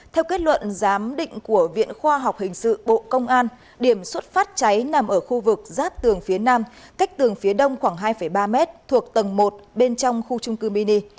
theo kết luận giám định của viện khoa học hình sự bộ công an điểm xuất phát cháy nằm ở khu vực giáp tường phía nam cách tường phía đông khoảng hai ba m thuộc tầng một bên trong khu trung cư mini